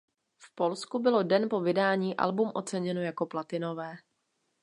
V Polsku bylo den po vydání album oceněno jako platinové.